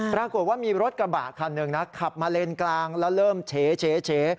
ปรากฏว่ามีรถกระบะคันหนึ่งนะขับมาเลนกลางแล้วเริ่มเฉ